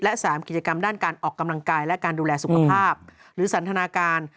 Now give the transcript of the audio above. และ๓กิจกรรมด้านการออกกำลังกายและการดูแลสุขภาพหรือสันทนาการ